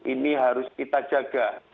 ini harus kita jaga